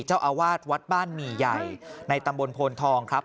เจ้าอาวาสวัดบ้านหมี่ใหญ่ในตำบลโพนทองครับ